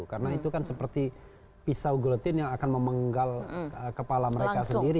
karena itu kan seperti pisau gelatin yang akan memenggal kepala mereka sendiri